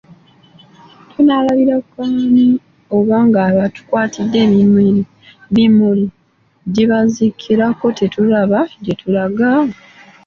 Tunaalabira ku ani oba nga abatukwatidde emimuli gibazikirako tetulaba gyetulaga!